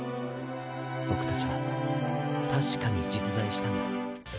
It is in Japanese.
僕たちは確かに実在したんだ。